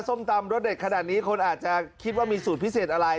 ส้มตำรสเด็ดขนาดนี้คนอาจจะคิดว่ามีสูตรพิเศษอะไร